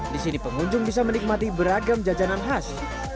di sini pengunjung bisa menikmati beragam jajanan khas